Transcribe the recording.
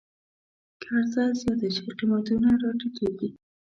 که عرضه زیاته شي، قیمتونه راټیټېږي.